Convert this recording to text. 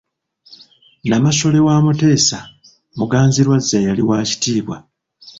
Namasole wa Mutesa, Muganzirwazza, yali wa kitiibwa.